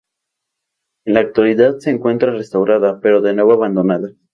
En la actualidad se encuentra restaurada, pero de nuevo abandonada.